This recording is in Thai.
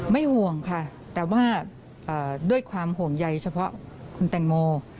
ห่วงค่ะแต่ว่าด้วยความห่วงใยเฉพาะคุณแตงโม